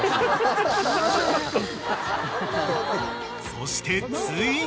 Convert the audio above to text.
［そしてついに］